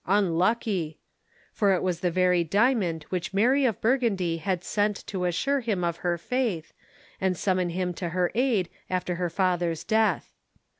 Unlucky!" For it was the very diamond which Mary of Burgundy had sent to assure him of her faith, and summon him to her aid after her father's death.